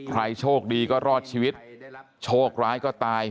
ใครโชคดีก็รอดชีวิตโชคร้ายก็ตาย